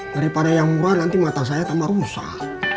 daripada yang murah nanti mata saya tambah rusak